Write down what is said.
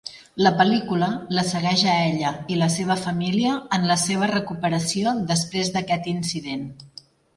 La pel·lícula la segueix a ella i la seva família en la seva recuperació després d'aquest incident.